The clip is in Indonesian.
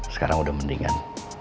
sekarang udah mendingan